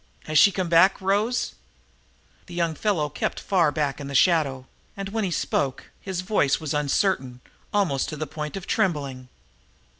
Has she come back, Rose?" The young fellow kept far back in the shadow, and, when he spoke, his voice was uncertain, almost to the point of trembling.